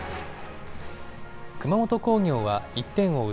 熊本工業は１点を追う